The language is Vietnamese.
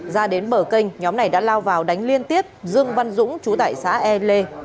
ra đến bờ kênh nhóm này đã lao vào đánh liên tiếp dương văn dũng chú tại xã e lê